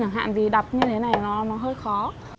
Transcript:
chẳng hạn vì đập như thế này nó hơi khó